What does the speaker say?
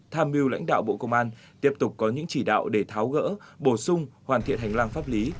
tham mưu lãnh đạo bộ công an tiếp tục có những chỉ đạo để tháo gỡ bổ sung hoàn thiện hành lang pháp lý